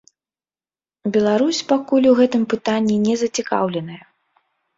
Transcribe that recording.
Беларусь пакуль у гэтым пытанні не зацікаўленая.